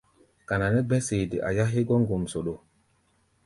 Kana nɛ́ gbɛ̧́ sede a yá hégɔ́ ŋgomsoɗo.